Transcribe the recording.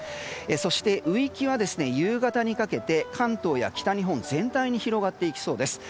そして、雨域は夕方にかけて関東や北日本全体に広がっていきそうです。